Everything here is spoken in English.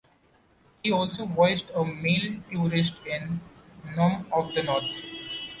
He also voiced a Male Tourist in "Norm of the North".